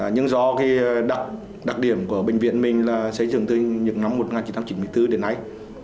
nhưng do đặc điểm của bệnh viện mình là xây dựng từ những năm một nghìn chín trăm chín mươi bốn đến nay